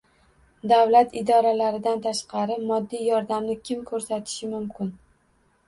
Davlat idoralaridan tashqari moddiy yordamni kim ko‘rsatishi mumkin?